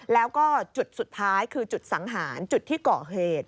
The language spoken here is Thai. แล้วก็จุดสุดท้ายคือจุดสังหารจุดที่เกาะเหตุ